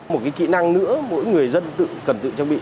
một cái kỹ năng nữa mỗi người dân cần tự trang bị